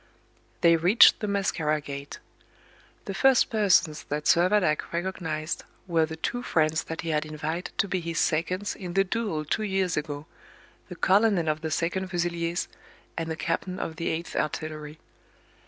They reached the Mascara gate. The first persons that Servadac recognized were the two friends that he had invited to be his seconds in the duel two years ago, the colonel of the 2nd Fusiliers and the captain of the 8th Artillery.